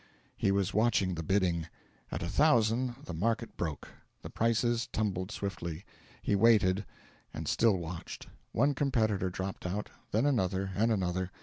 He was watching the bidding. At a thousand, the market broke: the prices tumbled swiftly. He waited and still watched. One competitor dropped out; then another, and another.